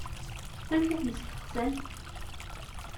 Amek i ten-steqsan?